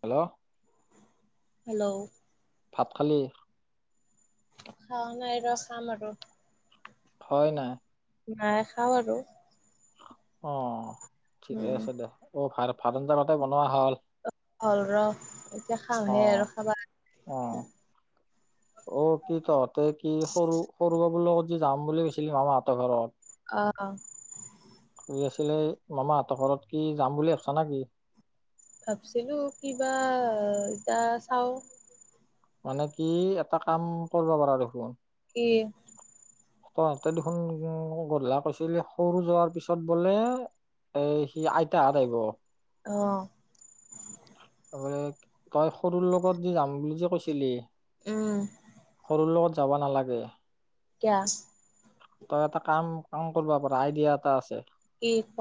Hello hello ভাত খালি- খাৱা নাই ৰ খাম আৰু হয় না। নাই খাওঁ আৰু অ ঠিকে উম আছে দে অ ভাত আঞ্জাতো বনোৱা হল- হল ৰস এতিয়া অ খাওঁহে আৰু খাবা- অ অ কি তহঁতে কি সৰু সৰু বাবুৰ লগত যে যাম বুলি ভাবছিলি মামাহতৰ ঘৰত অ অ কৰি আছিলে মামাহঁতৰ ঘৰত কি যাম বুলি ভাবিছা নে কি? ভাবছিলো কিবা এতিয়া চাও। মানে কি এটা কাম কৰিব পাৰা দেখোন- কি তহতে দেখোন গধলা কৈছিলি সৰু যোৱাৰ পিছত বোলে- এ সি আইতা আহিব- আহ তই তই সৰুৰ লগত যে যাম বুলি যে কৈছিলি। উম তোৰ লগত যাব নালাগে কিয়- তই এটা কাম কাম কৰিব পাৰ আইডিয়া এটা আছে। কি ক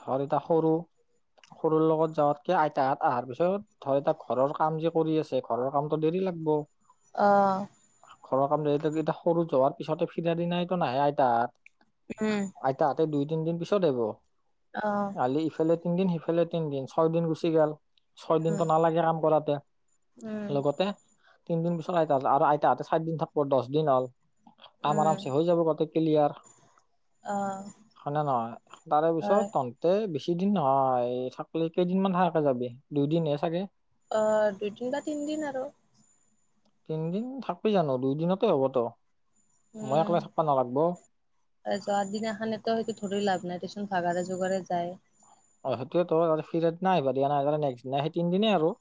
ধৰি ত সৰু সৰুৰ লগত যাৱাতকে আইতাহাত অহাৰ পিছত ধৰ এ ঘৰৰ কাম যে কৰি আছে ঘৰৰ কামটো দেৰি লাগব অহ ঘৰৰ কাম [unintelligible] সৰু যোৱাৰ পিছতে ফিৰাৰ দিনাইটো নাহে আইতাত উম, দুই তিনদিন পিছত আহৈব অ আলি ইফালে তিনদিন সিফালে তিনদিন ছয় দিন গুচি গেল। ছয় দিনটো উম নালাগে কাম কৰাতে উম লগতে। তিনদিন পিছতেই আৰু আইতাহঁতে চাৰিদিন থাকিব দহ দিন হ'ল। কাম উম আৰামছে হৈ যাব বাকী কিলিয়াৰ। অ হয়নে নহয় তাৰে হয় পিছত তহতে তিন দিন নহয় থাকলে কেইদিনমান থাকাকে যাবি দুইদিনহে চাগে। অ দুদিন বা তিনিদিন আৰু। তিনিদিন থাকবি জানোঁ দুই দিনতে হবতো। উম মই একলা থাকবা নালাগব তাৰপিছত যোৱাদিনাখন এতো সেইটো ধৰি লাভ নাই। কিছুমান ভাগাৰে জোগাৰে যায়। অ সেইটোয়ে তো ফিৰিয়ড নাই দিয়া নাইতো নেকচদিনে সেই তিনিদিনে আৰু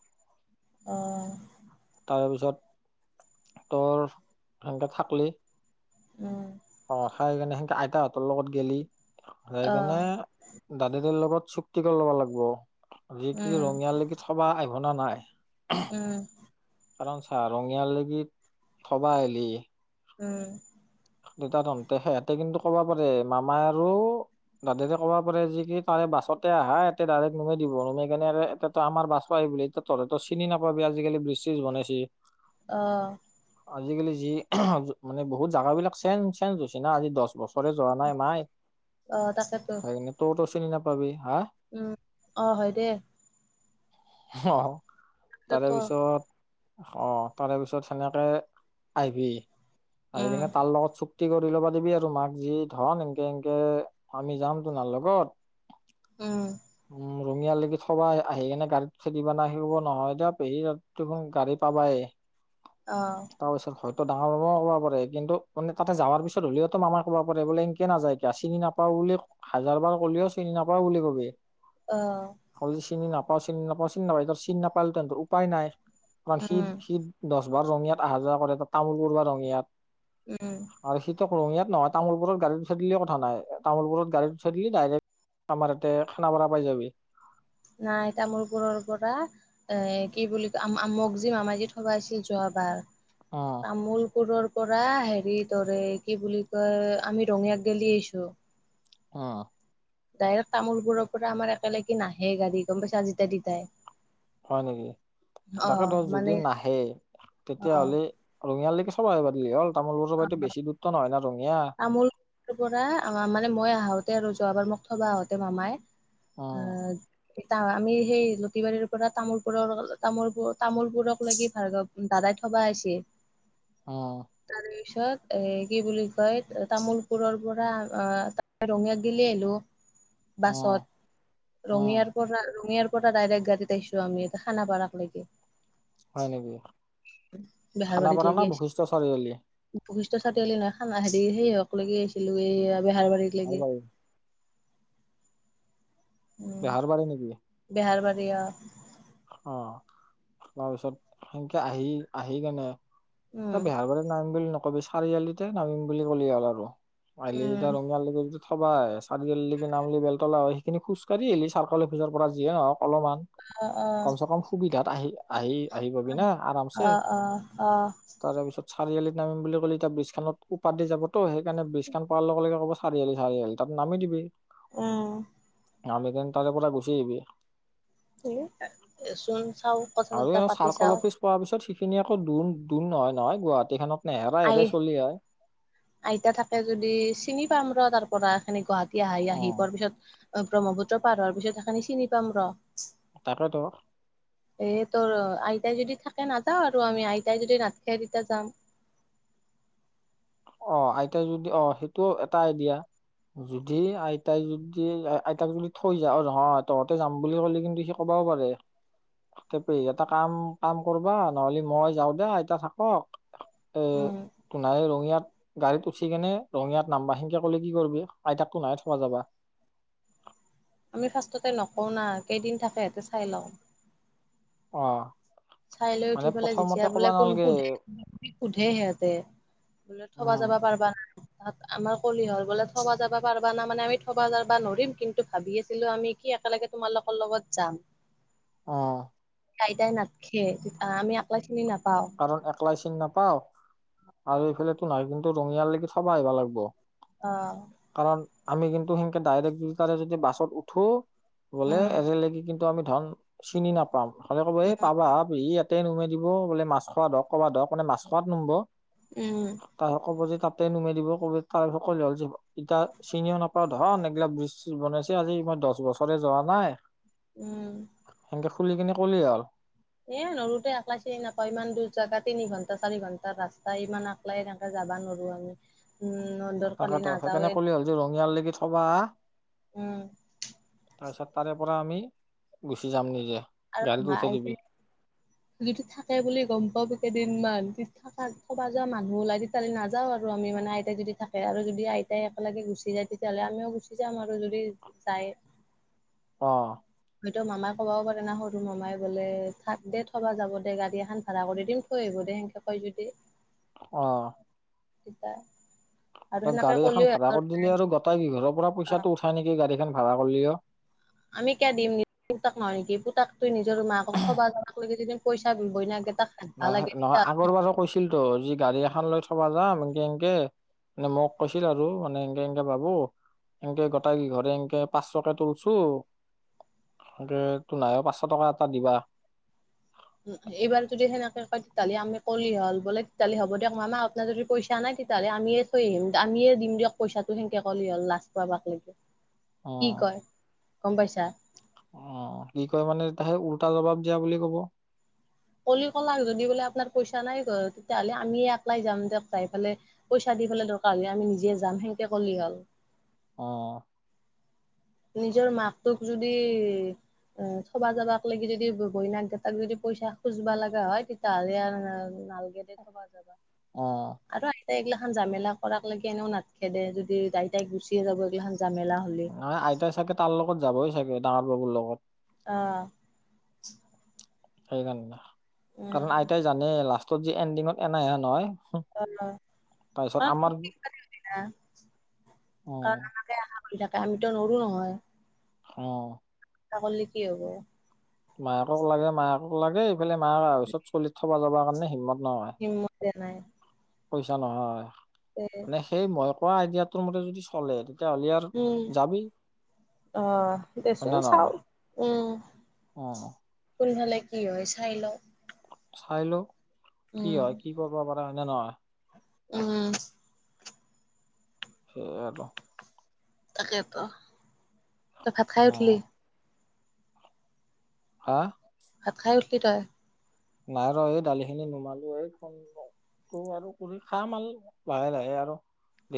অহ তাৰপিছত তোৰ সেনকে থাকলি। উম অ খাই কিনে সেনকে আইতাহঁতৰ লগত গেলি অ যাইকেনে দাদা তাৰ লগত চুক্তি কৰি ল'ব লাগিব আজি কি উম ৰঙিয়ালৈক থব আহিবনে নাইন। উম কাৰণ চা ৰঙিয়াল লৈকি থবা আহিলি উম, দুইটা তহঁতে সিহঁতে কিন্তু ক'ব পাৰে মামা আৰু দাদাতে ক'ব পাৰে যে কি তাৰে বাছতে আহা এতে ডাইৰেক্ট নুমাই দিব নুমাই কিনে [unintelligible] আমাৰ বাছ [unintelligible] বোলে এতিয়া তহঁতেতো চিনি নাপাবি আজিকালি ব্ৰিজ চ‌্ৰিজ বনাইছে। অ', আজিকালি যি, মানে বহুত জাগাবিলাক চেন চেঞ্জ হৈছে না আজি দশ বছৰ তহঁতে যোৱা নাই নহয়, অ', তাকেতো সেইকাৰণে তই তো চিনি নাপাবি, হা? উম, অ, হয় দে। অ', পিছত তাৰে ক? পিছত অ', তাৰে পিছত সেনেকে, আহিবি আহি উম, কিনে তাৰ লগত চুপ তি কৰি ল'বা দিবি আৰু মাক যি ধন এনকে এনকে, আমি যাম তোমাৰ লগত উম, উম, ৰঙিয়া লৈকে থবা আহিকেনে গাড়ী খেতি পান আহিব নহয় এতিয়া পেহী [unintelligible] গাড়ী পাবাই। অ', তাৰপিছত হয় ত' ডাঙৰ মামাও ক'ব পাৰে কিন্তু, মানে তাতে যাৱাৰ পিছত হলেওতো মামাই ক'ব পাৰে বোলে সেনেকে নযায় কিয় চিনি নাপাওঁ বুলি, হাজাৰ বাৰ কলেও চিনি নাপাওঁ বুলি কবি। অ'। [unintelligible] যে চিনি নাপাওঁ চিনি নাপাওঁ চিনি নাপাওঁ চিনি নাপালে তো উপায় নাই। কাৰণ সিত উম, সিত দশ বাৰ ৰঙিয়াত আহা যাৱা কৰে ত' তামোলপুৰৰ পৰা ৰঙিয়াত উম, উম, ৰঙীয়াত নহয় তামুলপুৰত গাড়ীত উঠাই দিলে কথা নাই তামুলপুৰত গাড়ী উঠাই দিলি ডাইৰেক্ট আমাৰ এতে খানাপাৰা পাই যাবি। নাই তামোলপুৰৰ পৰা, এ কি বুলি কয় আম আম মোক যি থবাই আছিল যো বা অ', তামোলপুৰৰ পৰা হেৰি তোৰ এই কি বুলি কয় আমি ৰঙিয়াক গেলি আহিছোঁ। অ', ডাইৰেক্ট তামোলপোৰৰ পৰা আমাৰ একেলগে নাহে গাড়ী গম পাইছা যেতিয়া তেতিয়াই। হয় নেকি, তাকেতো যদি মানে নাহে, অ', তেতিয়াহলে ৰঙিয়ালৈ [unintelligible] হল তামোলপুৰৰ পৰা দি বেছি দূৰত্ব নহয় ন। তামোলপুৰৰ পৰা আহ মানে মই আহোতে আৰু যোৱা বাৰ মোক থবা আহোতে মামাই উম অ', এ আমি সেই লতিবাৰীৰ পৰা তামোলপুৰৰ তামোল তামোলবোৰক লাগি ভ বাই থবা আছে। অ', পিছত এ কি বুলি কয় তামোলপুৰৰ পৰা আহ ৰঙিয়াক গিলি আহিলো। উম বাছত, উম ৰঙিয়াৰ পৰা ৰঙি পৰা ডাইৰেক্ট গাড়ীত আহিছো আমি এতে খানাপাৰাত লৈকে। হয় নেকি, খানাপাৰা না বৈশিষ্ট‌ চাৰিআলি? বশিষ্ট চাৰিআালি নহয় খানা হেৰি সিহক লৈকি আহিছিলো এই বেহাৰবাৰীত লৈকে। বেহাৰবাৰী উম বেহাৰবাৰী নেকি? বেহাৰবাৰী অ', অ', তাৰপিছত সেনকে আহি-আহি কেনে উম তই বেহাৰবাৰীত নামিম বুলি নকবি চাৰিআলিতে নামিম বুলি কলি হ'ল আৰু। আলি এইটা উম ৰঙিয়া লৈ [unintelligible] থবাই চাৰিআলিলৈকে‌ নামলি বেলতলা হয় সেইখিনি খোজকাঢ় আহিলি চাৰ্কোল অফিজৰ পৰা যিয়ে নহওক অলমান। অ অ কমচেকম সুবিধাত আহি আহি আহি পাবি না আৰামছে অ অ অ তাৰেপিছত চাৰিআলিত নামিম বুলি কলে এতিয়া ব্ৰিজখনৰ উপাৰ দি যাবতো সেইকাৰণে ব্ৰিজখান পাৱাৰ লগে লগে কব চাৰিআলি, চাৰিআলি তাত নামি দিবি। উম, আমিনগাঁও তাৰে পৰা গুচি আহিবি, চোন চাও কথা আৰু চথা এনে পাতি চাৰ্কল চাও। অফিচ পোৱাৰ পিছত সেইখিনি আকৌ দূৰ দূৰ নহয় নহয় গুৱাহাটীখনত নেহেৰা আই হেৰাই চলি হয়। আইতা থাকে যদি চিনি পাম ৰ তাৰ পৰা খিনি গুৱাহাটী আহি অ আহি পোৱাৰ পিছত। ব্ৰহ্মপুত্ৰ পাৰ হোৱাৰ পিছত সেইখানি চিনি পাম ৰ। তাকেটো। এ তোৰ আইতাই যদি থাকে নাযাও আৰু আমি আইতাই যদি নাথাকে তেতিয়া যাম। অ আইতাই যদি অ সেইটোও এটা আইডিয়া যদি আইতাই যদি আইতাক যদি থৈ যা তহতে যাম বুলি ক'লে কিন্তু সি ক'ব। কব‌ পাৰে। তথাপি এটা কাম কাম কৰবা নহলে মই যাও দে আইতা থাকক। এ উম তোনাই ৰঙিয়াত। গাড়ীত উঠি কেনে ৰঙিয়াত নামবা সেনকে কলে কি কৰিবি আইতাকো নাই থকা যাবা। [inaudible] আমি ফাৰ্ষ্টতে নকওঁ না কেইদিন থাকেহেঁতে চাই লওঁ। অ চাই লৈ উঠি মানে পেলাই যেতিয়া প্ৰথমতে বোলে ক'বা কোন নালগে সোধে সোধে সিহঁতে। বোলে থবা উম যাবা পাৰবা নাই? তাত আমাৰ কলিহৰ বোলে থবা যাবা পাৰিবা না মানে আমি থবা যাবা নোৱাৰৰিম কিন্তু ভাবি আছিলো আমি কি একেলগে তোমালোকৰ লগত যাম। আহ আইতাই নাথখে আমি আকলা খিনি নথ কাৰণ একলাই চিন নাপাওঁ আৰু এইফালে। নাই কিন্তু ৰঙিয়াল লৈকে থবাই আহিব লাগব। অ কাৰণ আমি কিন্তু সেনকে ডাইৰেক্ট দুটাৰে যদি বাছত উঠো বোলে উম এজগি কিন্তু ধ চিনি নাপাও ধনে ক'ব এই পাবা ইয়াতে নমাই দিব মা। খোৱা হক কবাত ধক মানে মাছ খোৱাত নমব উম কব যে। তাতে নুমাই দিব ক'ব তাৰি সকল হ'ল যে এতিয়া চিনিও নাপাও ধৰা নগিলা ব্ৰিজ বনাইছে আজি ত মই দহ বছৰে যোৱা নাই। উম। কুলি কিননে কলিয় হ'ল। এ নৰুতে আকলা চিনি নাপাওঁ ইমান দূৰ জাগা তিনি ঘণ্টা চাৰি ঘণ্টা ৰাস্তা ইমান আকলাই এনেকে য নোৱাৰো আমি উ তাকেতো সেইকাৰণে কলে হ'ল যে ৰঙিয়াল লকি থবা উম তাৰপিছত তাৰে পৰা আমি গুচি যাম নিজে। আৰু গাড়ীটো ম উঠাই আই দিবি যিটো থাকে বুলি গম পোৱা কেইদিনমান থ খবা যোৱা মানুহ ওলাই তেতিয়াহ'লে নাযাও আৰু আমি মানে আইতাই যদি থাকে আৰু যদি আই ই একেলগে গুচি যায় তেতিয়াহ'লে আমিও গুচি যাম আৰু যদি যায়। [inaudible] সটো মামাই ক'বও পাৰে না সৰু মামাই বোলে থাক দে থব যাব দে গাড় এখন ভাড়া কৰি দিম থৈ আহিব দে সেকে পাই যতি আহ। থিতা। ত গাড়ী এখন ভাড়া কৰি দিলি আৰু গতাই কি ঘৰৰ পৰা পইচাো উথা নেকি গাড়ী এখন ভাৰা কৰিলি অ আমি কিয় দিম নি ত ন। তাক তই নিজৰ মাকক থবা যাবৈকে যদি পইচা বিবই নাগে। নহ নহয় আগৰ বাৰো কৈছিল তো যি গাড়ী এখন লৈ থবা যাম এনকে এনকে মানে মোক কৈছিল আৰু মানে এনকে এনকে ভাবো। এনকে গোটাইঘৰে এনকে পাঁচশকে তলছো তো নাই পাঁচশ টকা এটা দিবা। উ এইবাৰ যদি সেনেকে কয় তেতিয়াহ'লে আমি কল হল বোলে তেতিয়াহলে হব দিয়ক মামা আপোনাৰ যদি পইচা নাই তেতিয়াহ'লে আমিয়ে থৈ আহিম আমিয়ে দিম দিয়ক পইচাটো সেনেকে ক'লে হ'ল লাচ পোৱা ভাগ লাগে। অ কি কয় গম পাইছা? অ কি কয় মানে সেই উওল্টা জবাব দিয়া বুলি কব। কলি কলাক যদি বোলে আপোনাৰ পইচা ইচা নাই ঘ তেতিাহ'লে আমি এপ্লাই যামাই পেলে পইচা দি পেলাই দৰকাৰ হ' আমি নিজে যাম সেকে বলি হল আহ নিজৰ মাক তোক যদি এ থবা যাবাক লাগি যদি গৈনাক গটাক যদি পইচা খুজবা লগা হয় তেতিয়াহ'লে নাল গেট থবা যাবা আহ। ত এইগাান জামেলাক লৈকে এনেও নাত খেদে যদি তাই তাইক গুচিয়ে যাব এইগিলাখান জামেলা হ'লে ম আইতাই চাগে তাৰ লগত যাবই চাগে ডাঙৰ বাবুৰ লগত অ। সেইকাৰণ উম কাৰণ আইতাই জানে লাষ্টত যি এণ্ডিঙত এনাই হে নহয়। আহ তাৰপিছত আমাৰ অ [unintelligible] আতো নৰো নহয় অ তাকলে কি হ'ব। মায়াকক লাগে মায়ক লাগে এইফালে মা ওছত চলিত থবা যাব কাৰণে হিমত হিমমদ এ নাই পইছা নহয় মানে সেই মই কোৱা আইডিয়াটোৰ মতে যদি চলে। তেতিযা হ'লি আৰু যাবি আহ হয় দেচোন নে চাও নহয় উম। অ কোন হাললে কি হয় চাই লওঁ। চাই লো কি উম হয় কি কৰিব পাৰে হয়নে নহয়? উম। সেই তাকে তো তই ভাত খাই অ উঠিলি হা ভাত খাই উঠিল তই? নাই ৰ এই দালিখিনি নুমালো এই খ ত আৰু কৰি খ মাল লাহে লাহে আৰু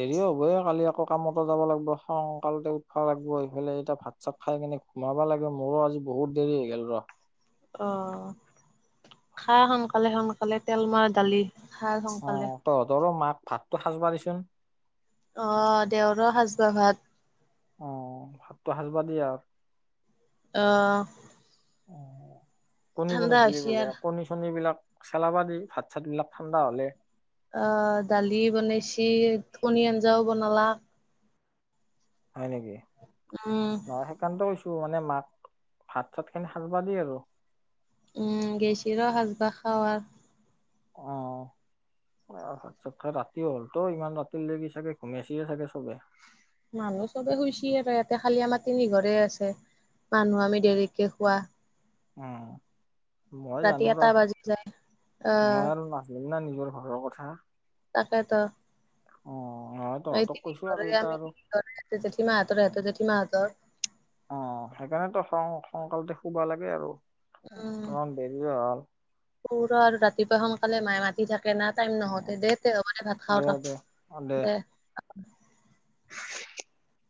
দেৰিয়ও হ'বহ কালি আকৌ কামত যাব লাগিব সংকালতে উঠবাব লাগিব এইফালে এতিয়া ভাত চাত খাই কিনে সোমাবা লাগে মোৰো আজি বহুত দেৰি হৈ গল ৰ অ খা সোনকালে সোনকালে তেল মৰা দালি খা অ সোনকালে তহঁতৰো মাক ভাতটো সাজ পাৰিচোন আহ দেওৰ সাজবাৰ ভাত আহ ভাতটো সাজব দিয়ে আৰু আহ আৰু কণী বনাইছিলি হৈছি বোলে আৰ কণী চণী বিলাক চেলাবা দি ভাত চাত বিলাক ঠাণ্ডা হলে আহ দালি বনাইছ থণী আঞ্জাও বনালাক হয় নেকি উম নহ সেইকাৰণটো টো মানে মাক ভাত চাত খিনি সাজ ব দিয় আৰু উম গেছিৰো সাজবাহ খওঁ আৰু আহ অ চত ৰাতিয়ও হ'লতো ইমান ৰাতি লগি চাগে ঘুমাই আছিয়ে চাগে চবে মানুহ চবে শুইচিয়ে আৰু ইয়াতে খালিয়া মাটি নিঘৰে আছে মানুহ আমি দেৰিকে খোৱা উ মই জানো এটা ৰ বাজি যায় আহ মই আৰু নাজিম ন নেকি মোৰ ঘৰৰ কথা তাকেতো অ নহয় ঘ তহঁতক কৈছো আৰু এতিয়া আমি আৰু ঘ তেঠি মই হাত ৰাো তেঠি ম হাতৰ [unintelligible] অ সেইকাৰণেতো সকালতে শুবা লাগে আৰু তোমাৰ দেৰিয়ে হল। শুৰ আৰু ৰাতিপুৱা সোনকালে মায়ে মাতি থাকে কেনা টাইম অ নহওঁতে দে দেবে ভাত দে খাওঁ ৰ দে অ দে [unintelligible]